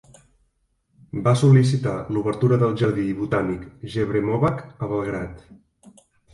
Va sol·licitar l'obertura del jardí botànic "Jevremovac" a Belgrad.